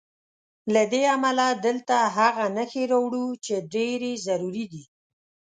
له دې امله دلته هغه نښې راوړو چې ډېرې ضروري دي.